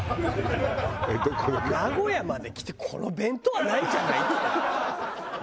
「名古屋まで来てこの弁当はないんじゃない？」っつって。